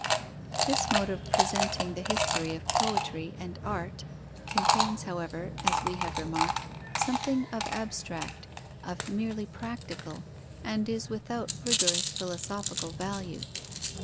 This mode of presenting the history of poetry and art contains, however, as we have remarked, something of abstract, of merely practical, and is without rigorous philosophical value.